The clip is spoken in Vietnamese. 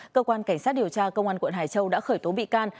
cơ quan cảnh sát điều tra công an quận hải châu đã khởi tố bị can